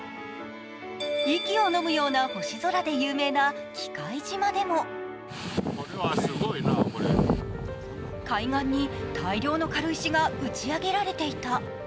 息をのむような星空で有名な喜界島でも海岸に、大量の軽石が打ち上げられていた。